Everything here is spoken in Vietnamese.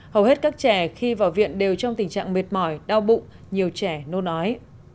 hầu hết các trẻ khi vào viện đều trong tình trạng mệt mỏi đau bụng nhiều trẻ nôn ói